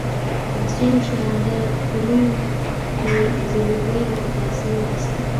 په څو شانداپولیو یې زلوبۍ او پتاسې واخیستې.